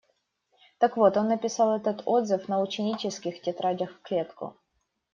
Так вот он написал этот отзыв на ученических тетрадях в клетку.